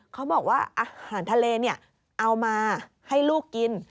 เขาบอกว่าอาหารทะเลเอามาให้ลูกกิน